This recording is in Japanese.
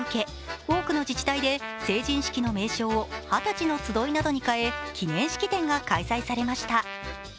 多くの自治体で成人式の名称を二十歳の集いなどに変え、記念式典が開催されました。